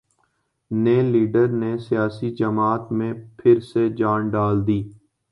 نئےلیڈر نے سیاسی جماعت میں پھر سے جان ڈال دی